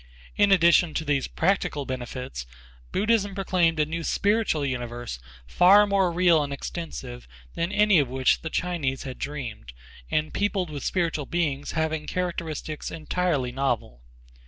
In addition to these practical benefits, Buddhism proclaimed a new spiritual universe far more real and extensive than any of which the Chinese had dreamed, and peopled with spiritual beings having characteristics entirely novel.